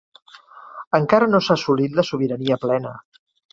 Encara no s'ha assolit la sobirania plena.